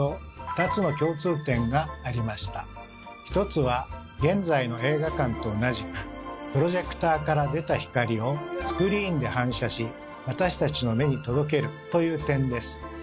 １つは現在の映画館と同じくプロジェクターから出た光をスクリーンで反射し私たちの目に届けるという点です。